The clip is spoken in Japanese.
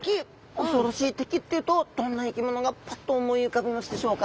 恐ろしい敵っていうとどんな生き物がパッと思い浮かびますでしょうか？